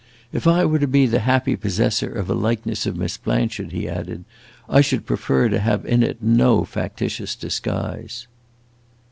"If I were to be the happy possessor of a likeness of Miss Blanchard," he added, "I should prefer to have it in no factitious disguise!"